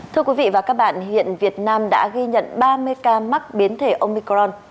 thưa quý vị và các bạn hiện việt nam đã ghi nhận ba mươi ca mắc biến thể omicron